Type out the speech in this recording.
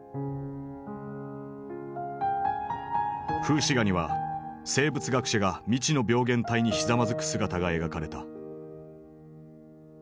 風刺画には生物学者が未知の病原体にひざまずく姿が描かれた。